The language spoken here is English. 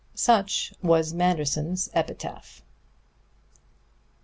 Such was Manderson's epitaph.